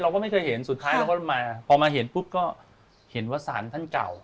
เราก็ไม่เคยเห็นสุดท้ายเราก็มาพอมาเห็นปุ๊บก็เห็นว่าศาลท่านเก่า